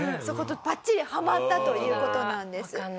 そことバッチリはまったという事なんです。